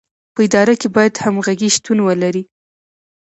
په اداره کې باید همغږي شتون ولري.